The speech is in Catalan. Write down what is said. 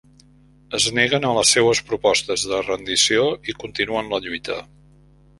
Es neguen a les seues propostes de rendició i continuen la lluita.